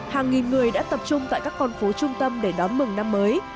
hàng nghìn người đã tập trung tại các con phố trung tâm để đón mừng năm mới